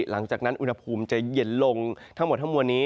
หลังจากนั้นอุณหภูมิจะเย็นลงทั้งหมดทั้งมวลนี้